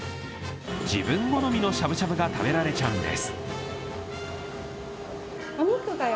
自分好みのしゃぶしゃぶが食べられちゃうんです。